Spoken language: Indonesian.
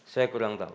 saya kurang tahu